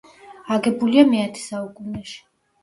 აგებულია მეათე საუკუნეში.